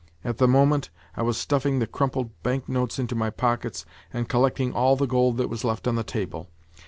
At the moment, I was stuffing the crumpled bank notes into my pockets and collecting all the gold that was left on the table.